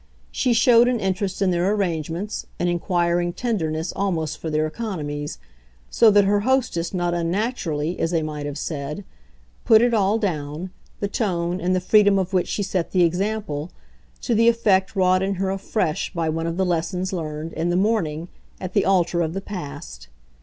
She showed an interest in their arrangements, an inquiring tenderness almost for their economies; so that her hostess not unnaturally, as they might have said, put it all down the tone and the freedom of which she set the example to the effect wrought in her afresh by one of the lessons learned, in the morning, at the altar of the past.